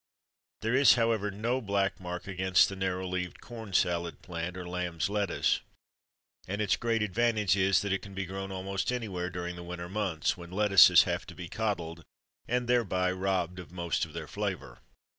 There is, however, no black mark against the narrow leaved CORN SALAD plant, or "lamb's lettuce"; and its great advantage is that it can be grown almost anywhere during the winter months, when lettuces have to be "coddled," and thereby robbed of most of their flavour.